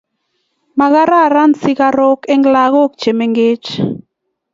Makararan sikarok en lakok che mengech